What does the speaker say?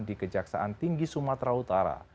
di kejaksaan tinggi sumatera utara